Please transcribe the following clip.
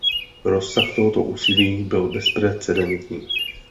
Rozsah tohoto úsilí byl bezprecedentní.